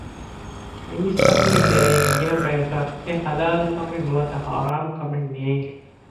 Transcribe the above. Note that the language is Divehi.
މީސްތަކުންގެ ތެރެއިން ގިނަ ބަޔަކަށް އެ ޙަލާލު ކަމެއް ނުވަތަ ޙަރާމް ކަމެއް ނޭނގެ